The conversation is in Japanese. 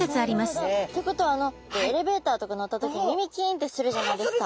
なるほど！ってことはあのエレベーターとか乗った時に耳キンってするじゃないですか。